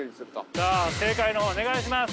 ◆さあ、正解のほうお願いします。